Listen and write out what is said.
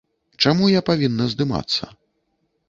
Чаму я павінна здымацца?